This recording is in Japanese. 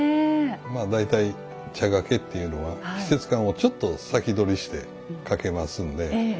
まあ大体茶掛っていうのは季節感をちょっと先取りしてかけますんで。